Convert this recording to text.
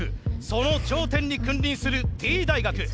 その頂点に君臨するＴ大学。